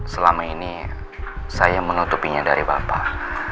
selama ini saya menutupinya dari bapak